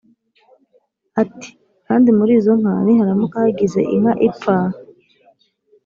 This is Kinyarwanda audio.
ati: "Kandi muri izo nka niharamuka hagize inka ipfa